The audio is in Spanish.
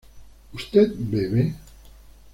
¿usted bebe?